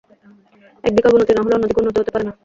এক দিকে অবনতি না হলে অন্যদিকে উন্নতি হতে পারে না।